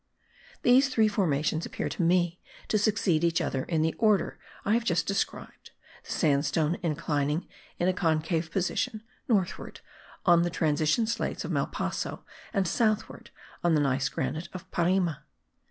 These three formations appeared to me to succeed each other in the order I have just described, the sandstone inclining in a concave position, northward, on the transition slates of Malpasso, and southward, on the gneiss granite of Parime.